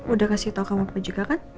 udah kasih tau kamu juga kan